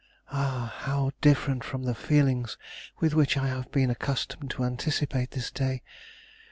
Ah, how different from the feelings with which I have been accustomed to anticipate this day!